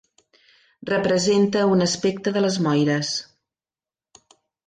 Representa un aspecte de les moires.